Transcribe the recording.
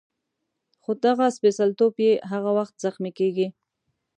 خو دغه سپېڅلتوب یې هغه وخت زخمي کېږي.